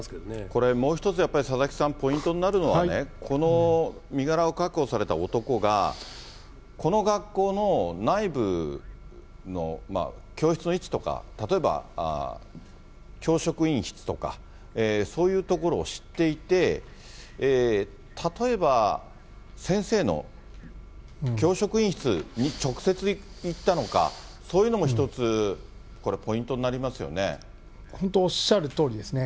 これもう一つやっぱり、佐々木さん、ポイントになるのはね、この身柄を確保された男が、この学校の内部の教室の位置とか、例えば教職員室とか、そういう所を知っていて、例えば、先生の、教職員室に直接行ったのか、そういうのも一つ、本当、おっしゃるとおりですね。